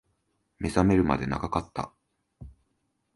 目覚めるまで長かった